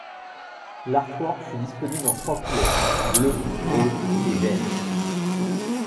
L'artwork fut disponible en trois couleurs: bleu, rose, et vert.